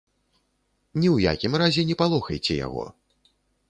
Ні ў якім разе не палохайце яго!